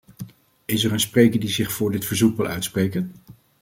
Is er een spreker die zich voor dit verzoek wil uitspreken?